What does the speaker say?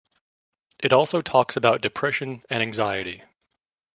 It also talks about depression and anxiety.